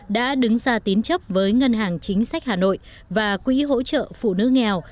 đã đứng ra tín chấp với ngân hàng chính sách hà nội và quỹ hỗ trợ phụ nữ nghèo